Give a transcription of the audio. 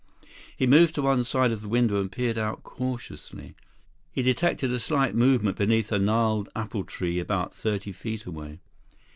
He moved to one side of the window and peered out cautiously. He detected a slight movement beneath a gnarled apple tree about thirty feet away.